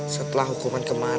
setelah hukumnya ini berakhir